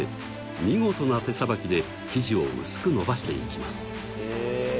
見事な手さばきで生地を薄く伸ばしていきます。